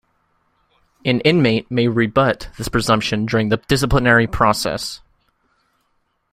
An inmate may rebut this presumption during the disciplinary process.